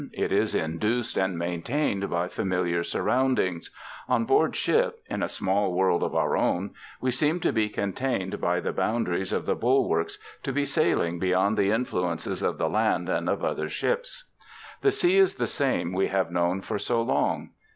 It is induced and maintained by familiar surroundings. On board ship, in a small world of our own, we seem to be contained by the boundaries of the bulwarks, to be sailing beyond the influences of the land and of other ships. The sea is the same we have known for so long.